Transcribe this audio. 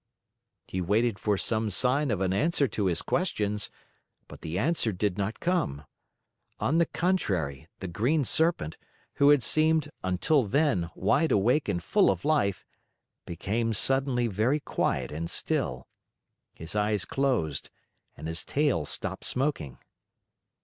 He waited for some sign of an answer to his questions, but the answer did not come. On the contrary, the green Serpent, who had seemed, until then, wide awake and full of life, became suddenly very quiet and still. His eyes closed and his tail stopped smoking.